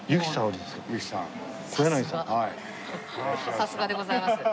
さすがでございます。